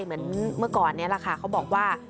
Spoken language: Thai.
เหมือนเมื่อก่อนนี้แหละค่ะเขาบอกว่า